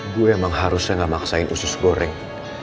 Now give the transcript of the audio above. gue emang harusnya gak memaksain usus goreng